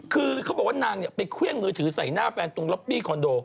คือเขาบอกว่านางไปเครื่องมือถือใส่หน้าแฟนตรงล็อบบี้คอนโด